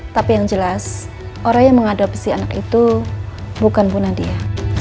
tapi yang jelas orang yang mengadopsi anak itu bukan punah dia